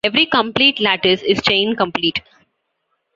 Every complete lattice is chain-complete.